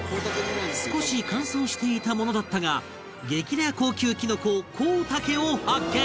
少し乾燥していたものだったが激レア高級きのこコウタケを発見